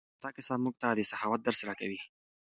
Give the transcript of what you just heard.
دا کیسه موږ ته د سخاوت درس راکوي.